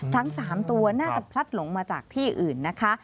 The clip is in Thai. ทั้ง๓ตัวน่าจะพลัดหลงมาจากที่อื่นนะคะ